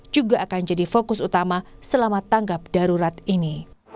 juga akan jadi fokus utama selama tanggap darurat ini